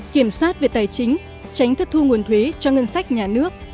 kiểm soát về tài chính tránh thất thu nguồn thuế cho ngân sách nhà nước